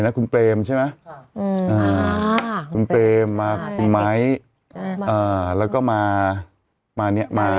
ย้อนกลับไป